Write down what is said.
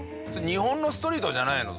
日本のストリートじゃないの？